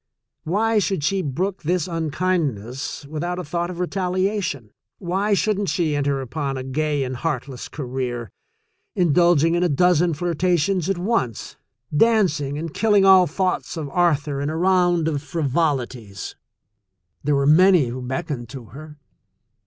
Why should she brook this unkind ness without a thought of retaliation? Why shouldn't she enter upon a gay and heartless career, indulging in a dozen flirtations at once — dancing and killing all thoughts of Arthur in a round of frivolities? There were many who beckoned to her.